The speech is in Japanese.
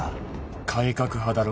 改革派だろ？